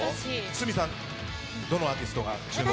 堤さん、どのアーティストに注目ですか？